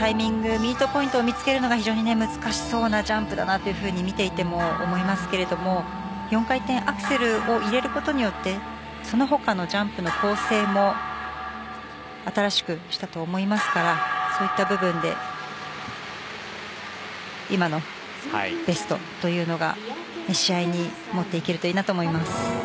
ミートポイントを見つけるのが非常に難しそうなジャンプだなと見ていても思いますが４回転アクセルを入れることによってその他のジャンプの構成も新しくしたと思いますからそういった部分で今のベストというのが試合に持っていけるといいなと思います。